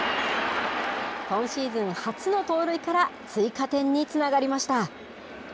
今シーズン初の盗塁から、追加点につながりました。